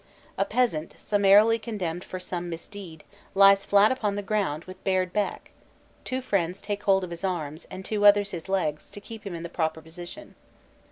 A peasant, summarily condemned for some misdeed, lies flat upon the ground with bared back: two friends take hold of his arms, and two others his legs, to keep him in the proper position.